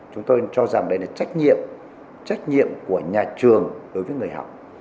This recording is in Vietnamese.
chúng tôi cho rằng đây là trách nhiệm của nhà trường đối với người học